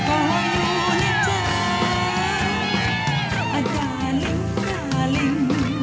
ขออยู่ในใจอ่าดาลิ่งดาลิ่ง